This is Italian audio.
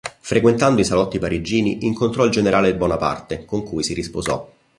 Frequentando i salotti parigini, incontrò il generale Bonaparte, con cui si risposò.